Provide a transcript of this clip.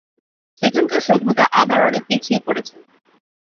সেখানকার সভ্যতা আবার অনেক পিছিয়ে পড়েছে।